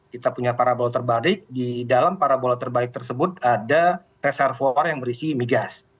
kita punya parabola terbalik di dalam parabola terbalik tersebut ada reservoir yang berisi migas